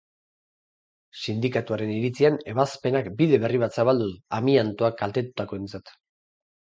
Sindikatuaren iritzian, ebazpenak bide berri bat zabaldu du, amiantoak kaltetutakoentzat.